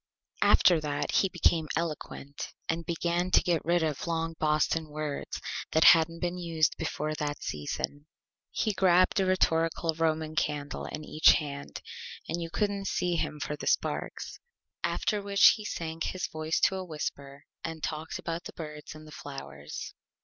After that he became Eloquent, and began to get rid of long Boston Words that hadn't been used before that Season. He grabbed a rhetorical Roman Candle in each Hand and you couldn't see him for the Sparks. After which he sank his Voice to a Whisper and talked about the Birds and the Flowers.